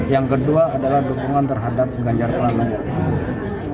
yang kedua adalah dukungan terhadap ganjar pranowo